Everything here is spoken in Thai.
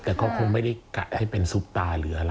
แต่เขาคงไม่ได้กะให้เป็นซุปตาหรืออะไร